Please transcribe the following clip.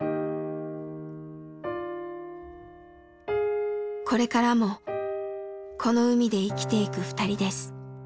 これからもこの海で生きていくふたりです。